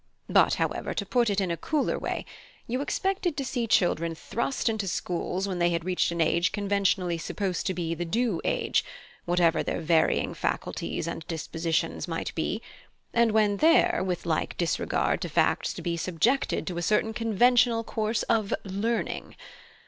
But, however, to put it in a cooler way: you expected to see children thrust into schools when they had reached an age conventionally supposed to be the due age, whatever their varying faculties and dispositions might be, and when there, with like disregard to facts to be subjected to a certain conventional course of 'learning.'